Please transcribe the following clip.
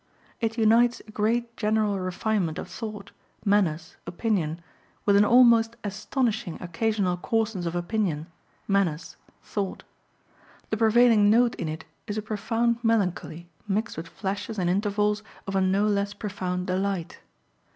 It unites a great general refinement of thought, manners, opinion, with an almost astonishing occasional coarseness of opinion, manners, thought. The prevailing note in it is a profound melancholy mixed with flashes and intervals of a no less profound delight.